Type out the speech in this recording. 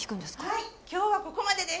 はい今日はここまでです。